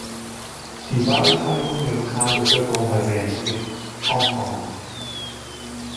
Die Wahlbeteiligung der lokalen Bevölkerung war sehr niedrig – kaum vorhanden.